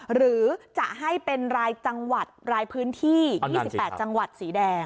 หรือจะให้เป็นรายจังหวัดรายพื้นที่๒๘จังหวัดสีแดง